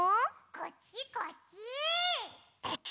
・こっちこっち！